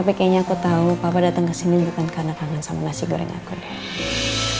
tapi kayaknya aku tau papa dateng kesini bukan karena kangen sama nasi goreng aku deh